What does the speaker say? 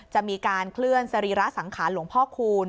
จะมีการเคลื่อนสรีระสังขารหลวงพ่อคูณ